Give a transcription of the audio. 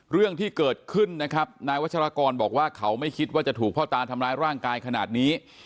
เรื่องที่เกิดขึ้นนะครับนายวัชรากรบอกว่าเขาไม่คิดว่าจะถูกพ่อตาทำร้ายร่างกายขนาดนี้